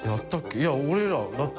いや俺らだって。